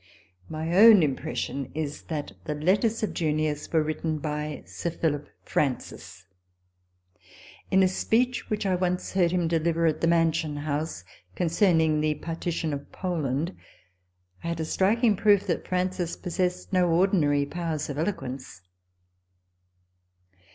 * My own impression is, that the " Letters of Junius " were written by Sir Philip Francis. In a speech, which I once heard him deliver, at the Mansion House, concerning the Partition of Poland, I had a striking proof that Francis possessed no ordinary powers of eloquence.